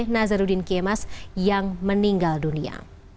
nazaruddin kiemas yang meninggal dunia